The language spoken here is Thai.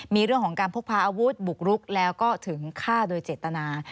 มีเรื่องของการพกพาอาวุธบุกรุกแล้วก็ถึงฆ่าโดยเจตนา